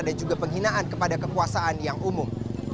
dan juga penghinaan kepada kekuasaan yang umum